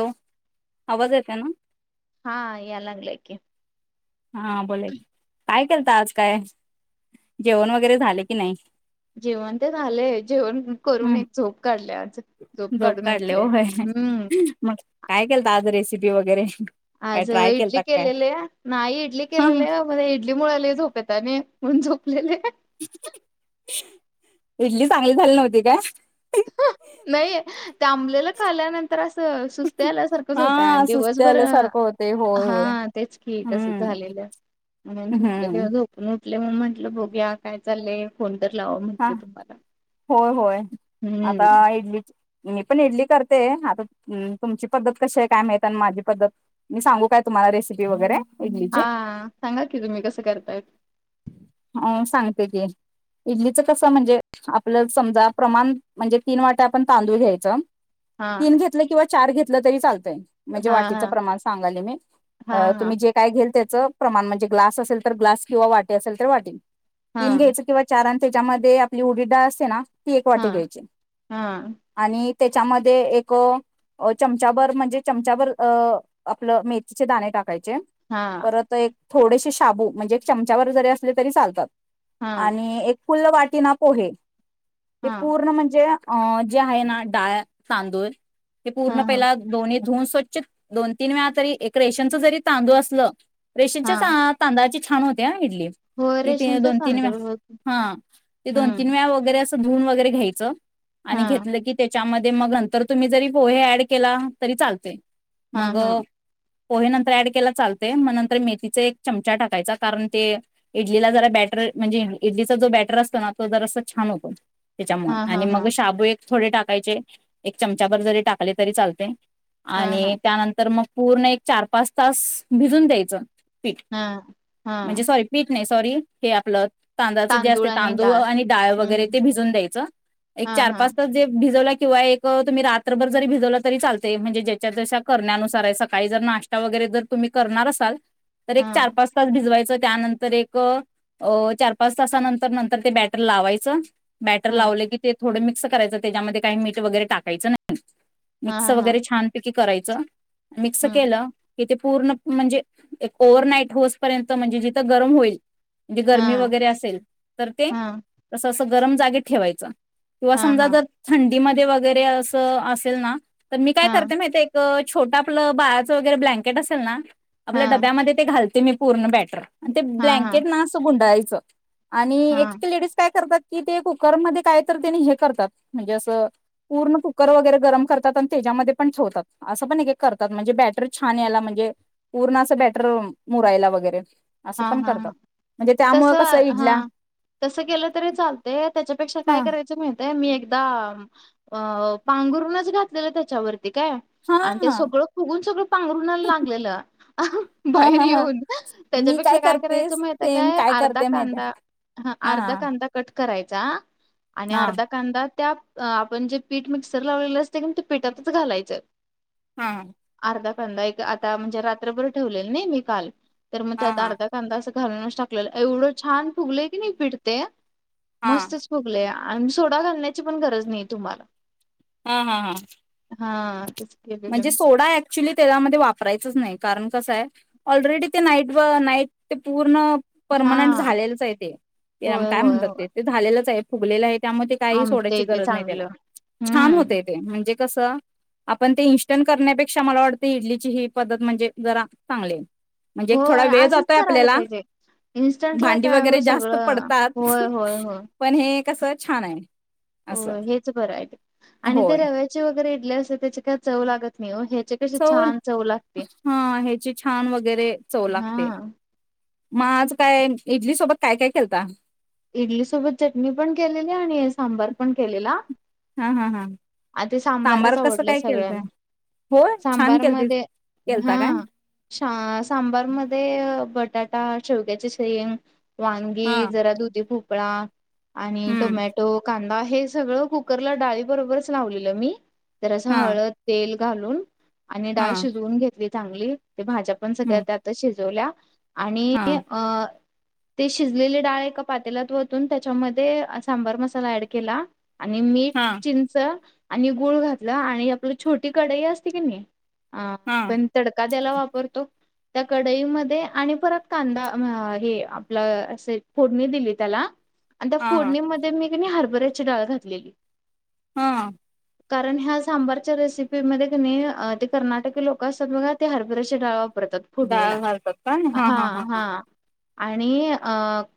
Hello आवाज यऐेत ना हा यालागला की हा बोले काय केलत आज काय जेवण वगैरे झाले की नाही जेवण ते झा आलेय जेवण करून हम्म एक झोप काढले आ झोप काढले होय मग काय केल तर आज रेसिपी वगैरे काय आज ट्राय इडली केलता काय केलेली नाही इडली हा हा केलेली म्हण इडली मुळाली झोपेत आणि झोपलेले आहे इडली चांगली झाली नव्हती का नाहीये तेबलेलं खल्यानंतर अस सुस्त्या आल्यासारखंच होत आणि हा सुस्ते दिवसभर आल्यासारखं होते होय हा होय तेच की तसं हम्म झालेलं म हम्म झपलेलं झोप म्हटले मग म्हंटल बोघ्या काय चाललंय फोन तर लाव हा म्हटल तुम्हाला होय होय आता हम्म इडली म पण ली करते आता तुमची पद्धत कशी आहे काय माहत आणि माझी पद्धत मी सांगू काय तुम्हाला रेसिपी वगैरे इडळीची, हा सांगा की तुम्ही कसं करताय हो सांगते की. इडलीचं कसं म्हणजे आपलं समजा प्रमाण म्हणजे तीन वाट्या आपण तांदूळ घ्यायचं, हा तीन घेतलं किंवा चार घेतलं तरी चालत. म्हणजे हा वातीच हा प्रमाण सांगाली मी अ हां, तुम्ही हां, जे काय घेल ते, च प्रमाण म्हणजे ग्लास असेल तर ग्लास किंवा वाटत असेल तर वाटी तीन हां, घ्यायचे किंवा, कारण त्याच्यामध्ये आपली उडीत डाळ असते ना ती एक वाटी हां, घ्यायची हां, आणि, त्याच्यामध्येए एकअं अ चमचाभर म्हणजे चमचाभर अ आपलं मेथीचे दाणे टाक टाकायचे हां, परत एक थोडेसे शाबू म्हणजे चमचाभर जरी असले तरी चालतात. हा. आणि एक फुल्ल वाटीना पोहे ते पूर्ण म्हणजे, अ जे आहे ना डाळ तांदूळ हे पूर्ण हां, हां, पहिला दोन्ही, धुन स्वच्छ दोन तीन वेळा तरी एक रेशनच जरी तांदूळ असलं रेशनच्याच हां, तांदळाची, छान होते हां इडली हो इथे रेशनचा दोन-तीन वेळा, तांदूळ होत हा ते दोन तीन हम्म, वेळा अस धून वगैरे घ्यायच आणि हां, घेतलं की त्याच्याम ते मग नंतर तुम्ही जरी पोहे ऍड केला तरी चालते हां, मग, हां, पोहे नंतर ऍड केला चालते मग नंतर मेथीचा एक चमचा टाकायचा कारण ते इडलीला जरा बॅटर, म्हणजे इडलीचा जो बेटर असतो ना तो जरासा छान होतो हां, आणि हां, मग हां, शाबू. थोडे टाकायचे एक चमचाभर जरी टाकले तरी चालते हां, हां, आणिई त्यानंतर मग, पूर्ण एक चार पाच तास भिजून द्यायचं पीठ हां, हां, म्हणजे सॉरी पीठ नाही, सॉरी हे आपलं. तांदळाच जे असते तांदूळ आणि डाळ हं, वगैरे ते हं, भिजून द्यायचं एक हां, चार हां, पाच तास जे भिजवला, किंवा एक तुम्ही रात्रभर जरी भिजवलं तरी चालते म्हणजे ज्याच्या त्याच्या करण्यानुसार सकाळी जर नाश्ता वगैरे, जर तुम्ही करणार असाल तर एक हां, चार-पाच तास भिजवायचं त्यानंतर एकअं चार, पाच तासा नंतर नंतर ते बॅटर लावायचं बॅटर हां, लावले की ते थोडे मिक्स करायच त्याच्यामध्ये काय मीठ वगैरे टाकायचं नाही. मिक्स हां, हां, वगैरे छानपैकी करायचं, मिक्स हं, केलं की ते, पूर्ण म्हणजे एक ओव्हर नाईट होस पर्यंत म्हणजे जिथं गरम होईल म्हणजे गरमी हां, वगैरे अस असेल तर ते हां, असं असं गरम जागेत ठेवायचं किंवा हां, समजा हां, जर थं इमदी वगैरे अस असेल ना तर मी काय हां, करते माहिते एक्, छोटं आपलं बाळाचं वगैरे ब्लँकेट असेल ना आपल्या हां, डब्यामध्ये ते घालते मी पूर्ण बॅटर, आणि ते हां, हां, ब्लँकेट ना असं गुंडायचं आणि एक हां, त लेडीज काय करतात, कि ते कुकरमध्ये काय तर ते नी हे करतात म्हणजे असं, पूर्ण कुकर वगैरे गरम करतात आणि त्या त्या मध्ये पण ठेवतात असं पण एक एक करतात, म्हणजे बॅटर छान यायला म्हंजे पूर्ण असं बॅटर मुरायला वगैरे असं पण करतात, म्हंजे त्यामु आ हां तसं केलं तरी चालतंय, त्यांच्यापेक्षा काय हा करायचं माहीतय मी एक कदा आं पांघरूनच घातलेलं त्याच्यावरती काय हा आणि ते हा सगळं फुगून सगळं पांघरुणाला लागलेलं बाहेर हा हा येऊन. मी त्याच्यापेक्षा काय करते करायच माहितेये सेम काय? अर्धा करते माहिती कांदा हं हा अर्धा कांदा कट करायचा आणि हा हा अर्धा कांदा त्यात आपण जे पीठ मिक्सर लावलेलं असते की नी त्या पीठातच घालायचं. हां. आर्धा कांदा एक आता म्हंजे रात्रभर ठेवलेल न मी काल, तर मग हा त्यात हा अर्धा कांदा असं धरुनच टाकलेलं एवढं छान फुगलंय की नाही ते हा मस्तच फुगलेया. आन सोडा घालण्याची पण गरज नाही तुम्हाला. हां हां हां. हा तेच केलेलं म्हणजे मी सोडा ऍक्चुली त्याच्यामध्ये वापरायचच नाही. कारणं कसंय ऑलरेडी ते नाईट व नाईट ते पूर्ण हा पर्मनंट झालेलंच आहे ते ते होय काय होय म्हणतात? होय ते ते झालेलंच आहे फुगलेलं आहे. त्यामध्ये काही आमच्या सोडायची इथे गरज नाही त्याला चांगलं छान हम्म होतय ते म्हणजे कसं आपण ते इनस्टंट करण्यापेक्षा मला वाटतें इडलीची ही पद्धत म्हणजे जरा चांगलीय. म्हणजे एक थोडा होय वेळ असंच जातोय करायला आपल्याला पाहिजे इन्स्टंटला भांडी काय हो वगैरे जास्त सगळं पडतात होय होय पण, हे कसं छान आहे. हो असं हेच बरं आहे आणि ते होय रव्याचे वगैरे इडल्या असते त्याचे काय चव लागतं नई वो ह्याचे कशी छान चव लागते हा ह्याची छान वगैरे चव लागते हां. [inaudible] मग आज काय इडली सोबत काय काय केलता? इडली सोबत चटणी पण केलेली आणि सांबार पण केलेला. हा हा हा आ ते सांबारच सांबार कसं आवडलं काय केलतय सगळ्यांना. होय छान सांबार केलतीस मध्ये केलता काय हां शा सांबार मध्ये बट बटाटा, शेवग्याची शेंग, हा वांगी जरा दुधी भोपळा आणि हम्म टोमॅटो कांदा हे सगळं कुकरला डाळी बरोबरच लावलेलं मी तर असं हा हळद तेल घालून आणि हा डाळ शिजवून घेतली चांगली. ते भाज्या पण सगळ्या हम्म त्यातच शिजवल्या आणि हा अ ते शिजलेली डाळ एका पातेल्यात वतून त्यांच्यामध्ये सांबर मसाला ॲड केला. आणि मीठ हा चिंच आणि गुळ घातलं आणि आपली छोटी कढई असते की नई हा आपण तडका त्याला वापरतो त्या कढईमध्ये आणि परत कांदा म हे आपलं असं फो डणी दिली त्याला आणि त्या हा फोडणीमध्ये मी कीनी हरबऱ्याची डाळ घातलेली. हम्म. कारण ह्या सांबारच्या रेसिपीमध्ये क नई अ ते कर्नाटकी लोक असतात बघा ते हरबऱ्याची डाळ वा रतात फोडणीला डाळ घालतात काय हा हा हा हां हा हां आणि अ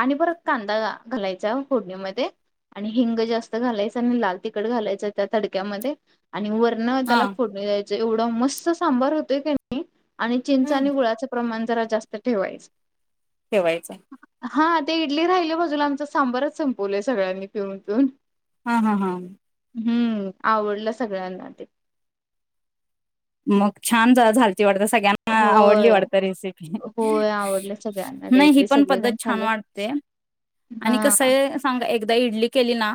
आणि परत कांदा घालायचा फोडणीमध्ये. आणि हिंग जास्त घालायचं आणि लाल तिखट घालायचं त्या तडक्यामध्ये. आणि वरण हा त्याला फोडणी द्यायचं एवढं मस्त सांबार होतोय की नाही आणि चिंचा हम्म आणि गुळाचं प्रमाण जरा जास्त ठेवायचं. ठेवायचा. हा ते इडली राहिले बाजूला आमचं सांबरच संपवलंय सगळ्यांनी पिऊन पिऊन. हां हां हां. हम्म आवडला सगळ्यांना ते. मग छान जा झा सगळ्यांना आवड होय वाटत रेसिपी होय आवडलं सगळ्यांना ते नाही ही इडली पण पद्धत सगळेजण छान खाल्ले वाटते. आणि हा कसय सांग एकदा इडली केली ना.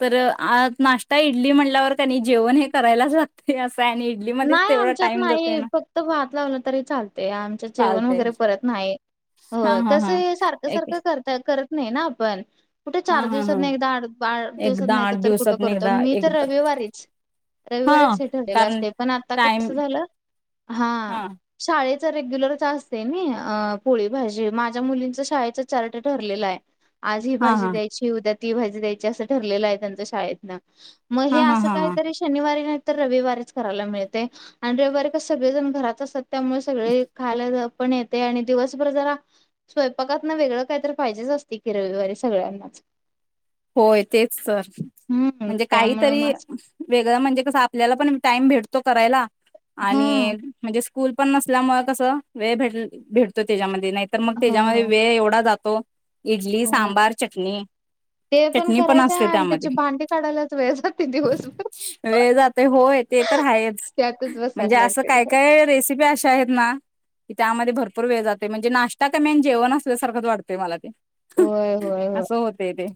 तर आ नाश्ता इडली म्हणल्यावर का नाही जेवण हे करायलाच जात असं आणि इडली नाही आमच्यात नाही फक्त भात लावला तरी चालते, आमच्या जेवण चालते वगैरे परत नाही. हो हा हा कसं हा हे सारखं एक सारखं करत करत नाही ना आपण कुठे हा चार हा दिवसात हा नाही एकदा आठ आठ एकदा दिवसात एक आठ तर कुठं दिवसात करतो एकदा मी तर एकदा रविवारीच हा रविवारीच हे ठरलेलं कारण असते, पण आता टाइम कस झालं हा शाळेत रेग्युलर असते ना पोळी भाजी माझ्या मुलींच शाळेच चार्ट ठरलेला आहे. आज ही हा भाजी हा द्यायची उद्या ती भाजी द्यायची असं ठरलेलं आहे. त्यांच्या शाळेतन मग हे हा हा असं हा हा काहीतरी शनिवारी नाहीत तर रविवारीच रायला मिळते. आणि र बारी का सगळे जण घरात असतात त्यामुळे सगळे खायला पण येते. आणि दिवसभर जरा स्वयंपाकात वेगळं काही तर पाहिजेच असते किरळीगैरे सगळ्यांनाच [inaudible] होय तेच तर. हम्म म्हणजे त्यामुळे काहीतरी मग वेगळं म्हणजे कसं आपल्याला पण टाइम भेटतो करायला. हा आणि म्हणजे स्कूल पण नसल्यामुळे कसं वेळ भे भेटतो त्याच्यामध्ये नाही तर मग त्याच्यामध्ये हो. वेळ एवढा जातो इडली हो सांबार चटणी ते पण चटणी करायचं असते आहे. आणि त्याची त्यामध्ये भांडी काढायलाच वेळ जाते दिवस पण वे जात होय ते तर आहेच त्यातच म्हणजे बसायला असं लागते. काय काय रेसिपी अशा आहेत ना. की त्यामध्ये भरपूर वेळ जाते म्हणजे नाश्ता का मेन जेवण असल्यासारखंच वाटतंय मला ते होय होय होय अस सो होतय ते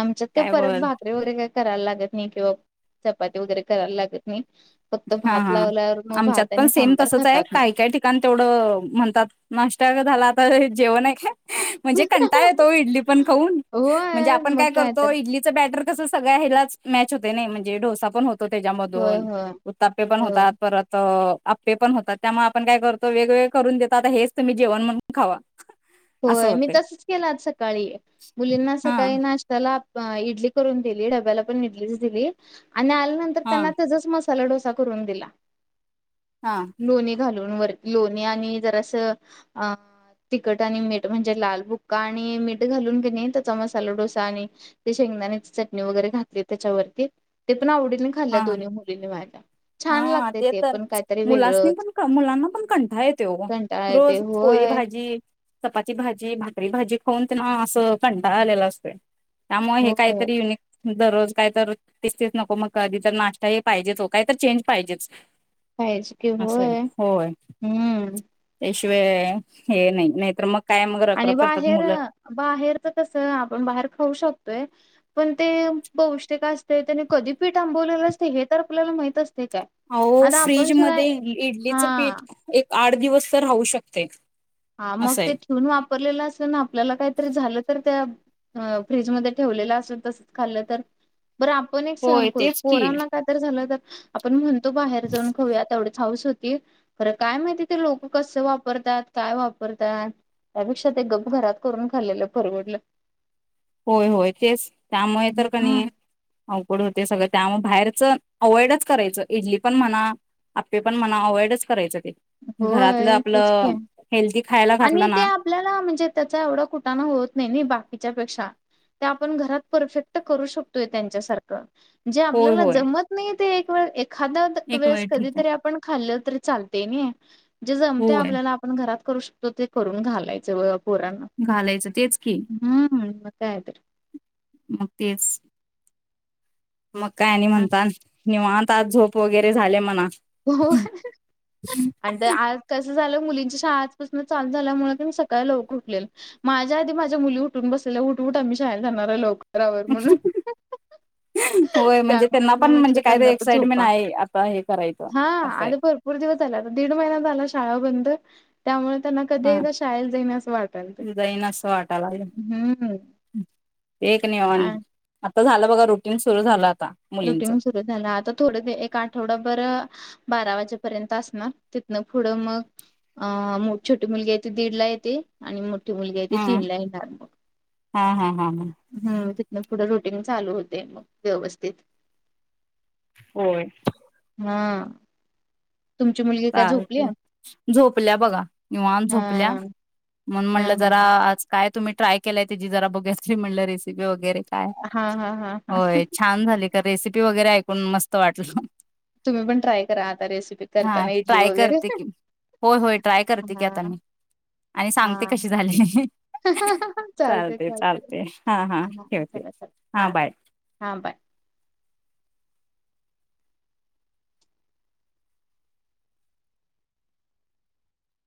आमच्यात ते काय परत बोल भाकरी वगैरे काही करायला लागत नाही किंवा चपाती वगैरे करायला लागत नाही. फक्त हा भात हा लावल्यावर मग आमच्यात भात पण आणि सेम सांबार तसच आहे खातात मग. काही काय ठिकाण तेवढं म्हणतात नाश्ता जर झालात. तर हे जेव नाही आहे का. म्हणजे कंटाळ येतो इडली पण खाऊन म्हणजे होय आपण मग काय तर करतो इडलीचं बॅटर कसं सगळं हलाच मॅच होते नाही म्हणजे डोसा पण होतो होय त्याच्यामधून होय. उ तप्पे पण हो होतात परत. आपे पण होतात. त्यामुळे आपण काय करतो वेगवेगळे करून देतो. आता हेच तुम्ही जेवण म्हणून खावा असं होय मी होतंय तसच केलं आज सकाळी मुलींना हा सकाळी नाश्ताला इडली करून दिली डब्याला पण इडलीच दिली आणि आल्यानंतर हा त्यांना त्या मस्त ला डो करून दिलाो हा घालून वर लोणी आणि जरास तिकट आणि मीठ म्हणजे लाल बुक्का आणि मीठ घालून घेणे त्याचा मसाला डोसा आणि ते शेंगदा चटणी वगैरे घातली त्याच्यावरती ते पण आवडीने घाल्ल्या हा दोन्ही मुलीने व्हायला. हा ते तर मुलासनी पण मुलांना पण कंठा येत कंटाळा येतोय रोज पोय होय. भाजी चपी भाजी भाकरी भाजी खाऊन ते ना असं कंटाळ आलेलं असते. त्यामुळे हे होय काहीतरी युनिक दररोज काही तर तसतीच नको मग कधी तर नाश्ता हे पाहिजेच हो काय तर चेंज पाहिजेच. पाहिजे की असं आहे होय होय हम्म. ते शि हे नाही नाही तरर मग काय मग आणि रखरख करतात बाहेर मुलं बाहेरच कस आपण बाहेर खाऊ शकतोय. पण ते पावस्टिक का असते त्याने कधी पीठ आंबवलीला असते हे तर आपल्याला माहित असते हो फ्रीज म हा इडलीच पीठ एक आठ दिवस तर राहू शकते. हा मग ते ठेवून वापरलेलं ना आपल्याला काहीतरी झालं तर त्या फ्रीजमध्ये ठेवलेलं असेल तसच खाल्लं तर बरं आपण एक सहन होय करू तेच की पोरांना काय तर झालं तर आपण म्हणतो बाहेर जाऊन खऊयाता तेवढी हाऊस होती खरं काय माहिती ते लोक कसं वापरतात. काय वापरतात त्यापेक्षा ते गप् घरात करून खाल्लेलं परवडलं. होय होय तेच त्यामुळे तर का हम्म. नाही अवघड होत. ते सगळं त्यामुळे बाहेरच अव्हइडच करायचं इडली पण म्हणा. आपे पण मना अवॉइडच करायचं ते हा घरातलं होय तेच आपलं की. हेल्थी आणि ते आपल्याला म्हणजे त्याचा एवढा कुठाण होत नाही नाही बाकीच्या पेक्षा त्या आपण घरात परफेक्ट करू शकतोय त्यांच्यासारखं जे होय आपल्याला होय जमत नाही ते एक वेळ एखादा्या एक वेळ वेळेस ठीक आहे कधीतरी आपण खाल्ल तर चालते नाही जे जमते होय आपल्याला आपण घरात करू शकतो ते करून घालायच पूरण घालायचं तेच की हम्म मगयत्री मुक्तेज मग काय आणि म्हणता निवत आज झोप वगैरे झाले म्हणा हो आणि आ कस मुलीं शज झाल्यामुळे मी सकाळी लकर उले माझ्या आधी माझ मुली उून ब चला उठ उठ आम्ही शार जाणार आहे लवकररावर म्हणून होय म्हणजे त्यामुळे त्यांना मग पण म्हटलं म्हणजे काय तर त्यांना पण एक्साइडमेंट झोपा. आहे आता हे करायचं हा असं आज आहे भरपूर दिवस झाला दीड महिना झाला शाळा बंद त्यामुळे त्यांना कधी हा एकदा शाळेला जाईना असं वाटल ते जाईन असं वाटायला लागलं हम्म एक नाहीेवान आता झालं बघा रुटीन सुरू झालं आता मुलींच रुटीन सुरू झाला आता थोडे एक आठवडाभर बारा वाजेपर्यंत असणार तिथनं पुढं मग अ मोठी छोटी मुलगी येते दीड ला येते आणि मोठी मुलगी आहे त हम्म तीनला येणार मग हा हा हा हा हम तिथ थोडं रुटीन चालू होते मग व्यवस्थित. होय हा तुमची मुलगी काय झोपली चालतय झोपल्या बघा निवांत झोपल्या हा म्हण हा म्हणलं हा जरा आज काय तुम्ही ट्राय केलय त्याची जरा बघूया तरी म्हणलं रेसिपी वगैरे काय हा हा हा हा होय छान झाली का रेसिपी वगैरे ऐकून मस्त वाटलं. तुम्ही पण ट्राय करा आता रेसिपी हा करताना इडली ट्राय वगैरे करते की होय होय ट्राय करते की हा आता मी आणि सांगते कशी झाली ही ही हा हा चालते चालते हा हा ह ठेवते चला चला हा हा बाय